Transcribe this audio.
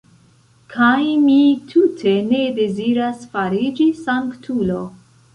Kaj mi tute ne deziras fariĝi sanktulo!